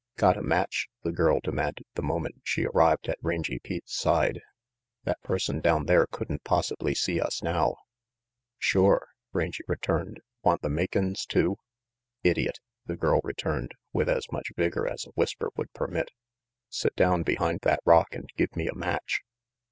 "Got a match?" the girl demanded the moment she arrived at Rangy Pete's side. "That person down there couldn't possibly see us now." "Shore," Rangy returned. "Want the makin's too?" "Idiot," the girl returned, with as much vigor as a whisper would permit. "Sit down behind that rock and give me a match."